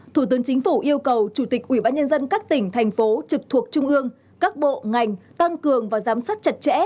thủ tướng chính phủ yêu cầu chủ tịch ubnd các tỉnh thành phố trực thuộc trung ương các bộ ngành tăng cường và giám sát chặt chẽ